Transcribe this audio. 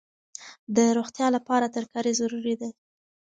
د روغتیا لپاره ترکاري ضروري ده.